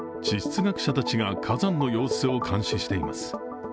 地質学者たちが火山の様子を監視しています。